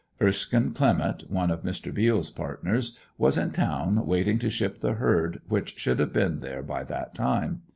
Erskine Clement, one of Mr. Beal's partners, was in town waiting to ship the herd which should have been there by that time.